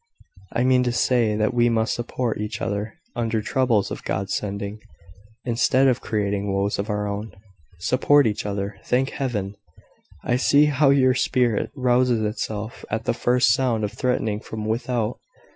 "I mean to say that we must support each other under troubles of God's sending, instead of creating woes of our own." "Support each other! Thank Heaven!" "I see how your spirit rouses itself at the first sound of threatening from without.